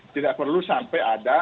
tidak perlu sampai ada